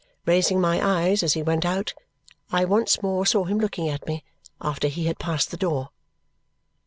Raising my eyes as he went out, I once more saw him looking at me after he had passed the door.